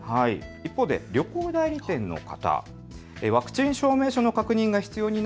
一方で旅行代理店の方。